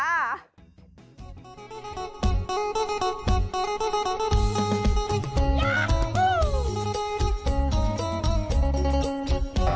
อีก